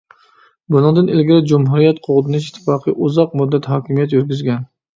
بۇنىڭدىن ئىلگىرى جۇمھۇرىيەت قوغدىنىش ئىتتىپاقى ئۇزاق مۇددەت ھاكىمىيەت يۈرگۈزگەن.